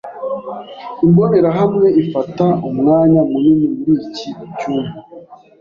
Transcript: Imbonerahamwe ifata umwanya munini muri iki cyumba.